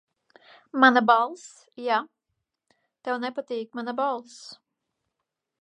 Mana balss, ja? Tev nepatīk mana balss.